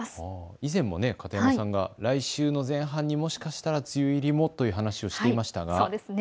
以前も片山さんが来週の前半にもしかしたら梅雨入りもという話をしていましたね。